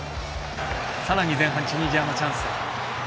さらに前半チュニジアのチャンス。